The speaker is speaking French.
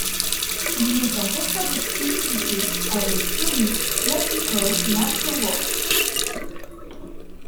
Il est en contrat d'exclusivité avec Sony Classical Masterworks.